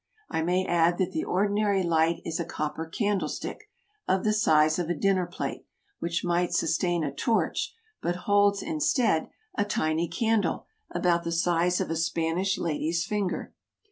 I may add that the ordinary light is a cop per candlestick, of the size of a dinner plate, which might sustain a torch, but holds, instead, a tiny candle about the size of a Spanish lady's finger.